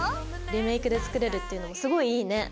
リメイクで作れるっていうのもすごいいいね！